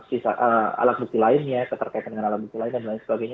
keterkaitan dengan alat bukti lainnya dan lain sebagainya